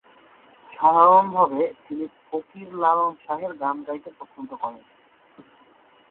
সাধারণভাবে তিনি ফকির লালন শাহের গান গাইতে পছন্দ করেন।